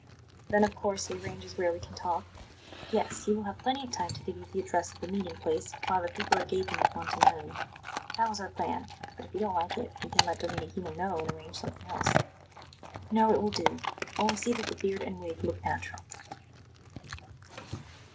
"Then, of course, he arranges where we can talk?" "Yes; he will have plenty of time to give you the address of the meeting place while the people are gaping at Montanelli. That was our plan; but if you don't like it, we can let Domenichino know and arrange something else." "No; it will do; only see that the beard and wig look natural."